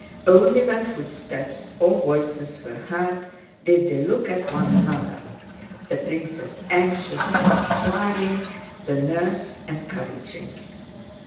Only when footsteps or voices were heard did they look at one another, the princess anxious and inquiring, the nurse encouraging.